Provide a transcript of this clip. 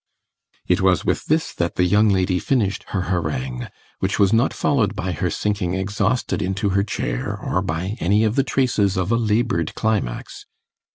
It was with this that the young lady finished her harangue, which was not followed by her sinking exhausted into her chair or by any of the traces of a laboured climax.